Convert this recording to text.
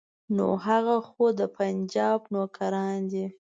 نو هغه خو د پنجاب نوکران دي.